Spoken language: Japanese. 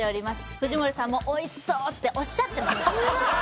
藤森さんもおいしそうっておっしゃってます